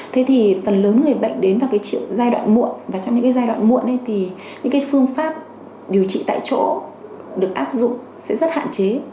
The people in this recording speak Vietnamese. thế thì phần lớn người bệnh đến vào giai đoạn muộn và trong những giai đoạn muộn thì những phương pháp điều trị tại chỗ được áp dụng sẽ rất hạn chế